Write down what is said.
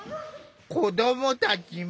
子どもたちも。